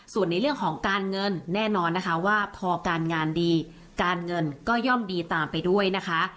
ส่วนในเรื่องของการเงินแน่นอนนะคะว่าพอการงานดีการเงินก็ย่อมดีตามไปด้วยนะคะ